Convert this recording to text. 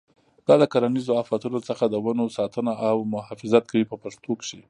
دا د کرنیزو آفتونو څخه د ونو ساتنه او محافظت کوي په پښتو کې.